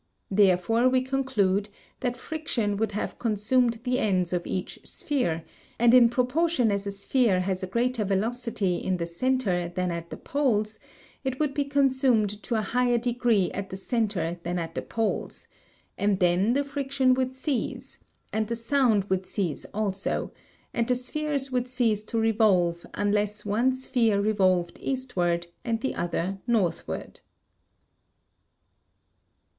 Therefore we conclude that friction would have consumed the ends of each sphere, and in proportion as a sphere has a greater velocity in the centre than at the poles, it would be consumed to a higher degree at the centre than at the poles; and then the friction would cease, and the sound would cease also, and the spheres would cease to revolve unless one sphere revolved eastward and the other northward.